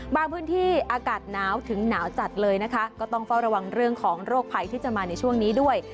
พื้นที่อากาศหนาวถึงหนาวจัดเลยนะคะก็ต้องเฝ้าระวังเรื่องของโรคภัยที่จะมาในช่วงนี้ด้วย